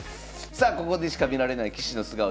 さあここでしか見られない棋士の素顔